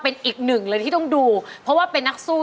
เป็นอีกหนึ่งเลยที่ต้องดูเพราะว่าเป็นนักสู้